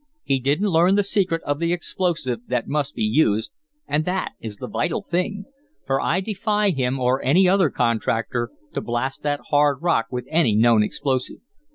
He didn't learn the secret of the explosive that must be used, and that is the vital thing. For I defy him, or any other contractor, to blast that hard rock with any known explosive.